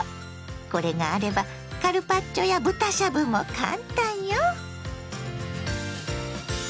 これがあればカルパッチョや豚しゃぶもカンタンよ。